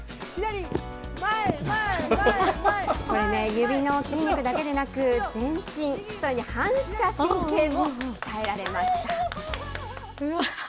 指の筋肉だけでなく、全身、それに反射神経も鍛えられました。